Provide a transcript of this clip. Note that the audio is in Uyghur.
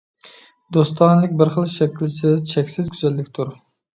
دوستانىلىك بىر خىل شەكىلسىز، چەكسىز گۈزەللىكتۇر.